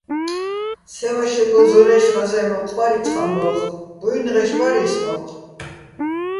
სე ვაშეგო ზორაჲში̆ ღაზე́ნ მოჴ ბარ იცხ ამბო́ხ, ბუ́ჲნღეშ ბარ ის მოჴ.